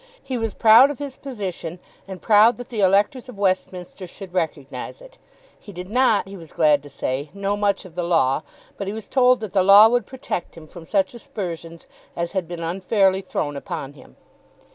He was proud of his position, and proud that the electors of Westminster should recognise it. He did not, he was glad to say, know much of the law, but he was told that the law would protect him from such aspersions as had been unfairly thrown upon him.